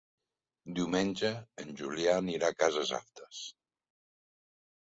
Diumenge en Julià anirà a Cases Altes.